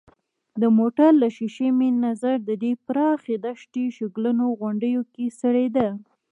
د موټر له ښېښې مې نظر د دې پراخې دښتې شګلنو غونډیو کې څرېده.